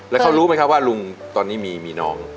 แล้วเขารู้ไหมครับว่าลุงตอนนี้มีน้อง